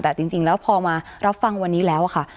แต่จริงแล้วพอมารับฟังวันนี้แล้วค่ะ